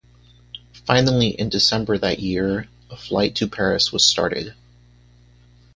Finally in December that year, a flight to Paris was started.